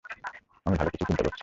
আমি ভাল কিছুই চিন্তা করছি।